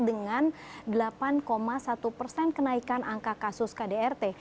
dengan delapan satu persen kenaikan angka kasus kdrt